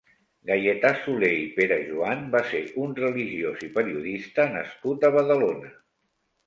Gaietà Soler i Perejoan va ser un religiós i periodista nascut a Badalona.